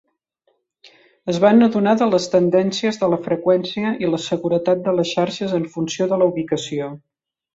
Es van adonar de les tendències de la freqüència i la seguretat de les xarxes en funció de la ubicació.